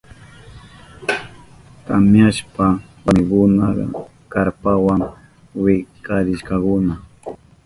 Tamyashpan warmikunaka karpawa wichkarishkakuna.